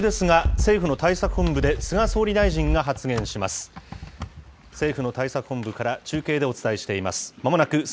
政府の対策本部から中継でお伝えしています。